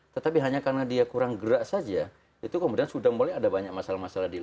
tetapi hanya karena dia kurang gerak saja itu kemudian sudah mulai ada banyak masalah masalah di luar